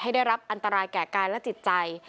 ได้รับอันตรายแก่กายและจิตใจ